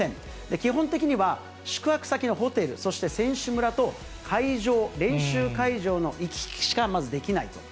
基本的には、宿泊先のホテル、そして選手村と、会場、練習会場の行き来しかまずできない。